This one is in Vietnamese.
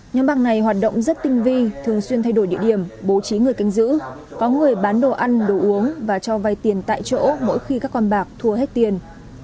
nhóm bạc này hoạt động rất tinh vi thường xuyên thay đổi địa điểm bố trí người canh giữ có người bán đồ ăn đồ uống và cho vay tiền tại chỗ mỗi khi các con bạc thua hết tiền